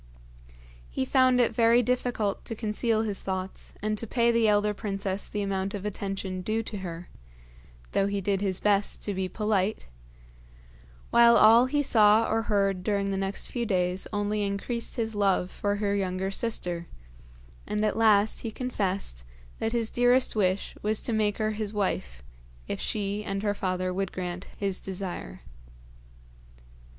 He found it very difficult to conceal his thoughts and to pay the elder princess the amount of attention due to her, though he did his best to be polite; while all he saw or heard during the next few days only increased his love for her younger sister, and at last he confessed that his dearest wish was to make her his wife, if she and her father would grant his desire.